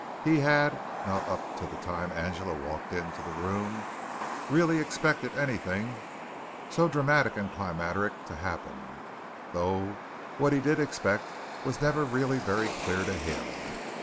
He had, not up to the time Angela walked into the room, really expected anything so dramatic and climacteric to happen, though what he did expect was never really very clear to him.